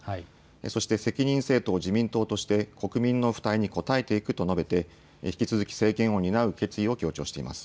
そして責任政党、自民党として、国民の負託に応えていくと述べて、引き続き政権を担う決意を強調しています。